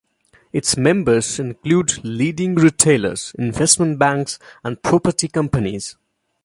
Its members include leading retailers, investment banks and property companies.